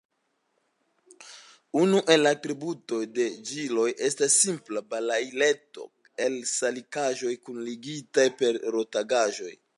Unu el la atributoj de ĵiloj estas simpla balaileto el salikaĵoj, kunligitaj per rotangaĵoj.